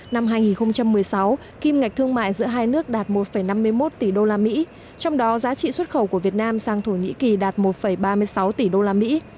năm hai nghìn một mươi sáu kim ngạch thương mại giữa hai nước đạt một năm mươi một tỷ đô la mỹ trong đó giá trị xuất khẩu của việt nam sang thổ nhĩ kỳ đạt một ba mươi sáu tỷ đô la mỹ